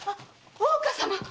大岡様！